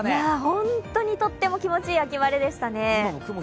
本当にとっても気持ちいい秋晴れでしたね。